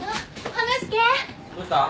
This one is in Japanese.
どうした？